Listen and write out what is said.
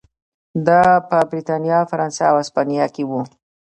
دا په برېټانیا، فرانسې او هسپانیا کې و.